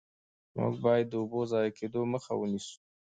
موږ باید د اوبو ضایع کیدو مخه ونیسو.